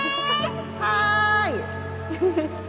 はい！